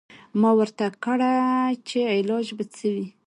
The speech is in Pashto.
ما ورته کړه چې علاج به څه وي.